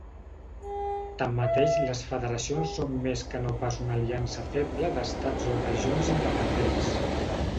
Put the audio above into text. Tanmateix les federacions són més que no pas una aliança feble d'estats o regions independents.